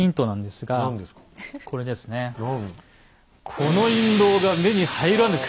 「この印籠が目に入らぬか」。